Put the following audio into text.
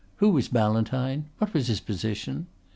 Who was Ballantyne? What was his position?